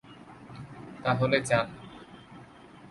তাহলে, যান!